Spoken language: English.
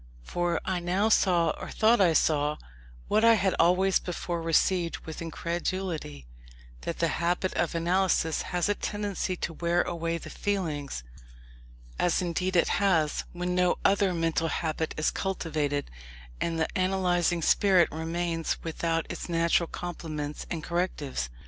For I now saw, or thought I saw, what I had always before received with incredulity that the habit of analysis has a tendency to wear away the feelings: as indeed it has, when no other mental habit is cultivated, and the analysing spirit remains without its natural complements and correctives.